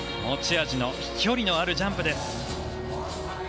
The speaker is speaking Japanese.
持ち味の飛距離のあるジャンプです。